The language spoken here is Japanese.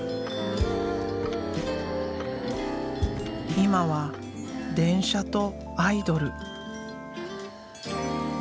今は電車とアイドル。